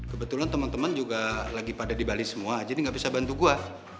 kebetulan temen temen juga lagi pada di bali semua jadi gak bisa bantu gua